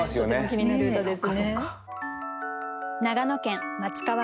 気になる歌ですね。